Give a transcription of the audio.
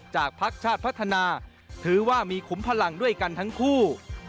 พักชาติพัฒนาถือว่ามีขุมพลังด้วยกันทั้งคู่